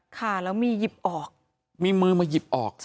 ค่ะแล้วมีหยิบออกมีมือมาหยิบออก